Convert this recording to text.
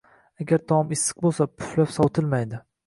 Agar taom issiq bo‘lsa, puflab sovutilmaydi.